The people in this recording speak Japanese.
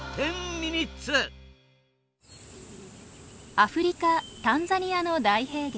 アフリカタンザニアの大平原。